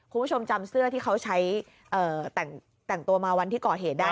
คุณผู้ชมจำเสื้อที่เขาใช้แต่งตัวมาวันที่ก่อเหตุได้